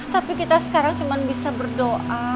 tapi kita sekarang cuma bisa berdoa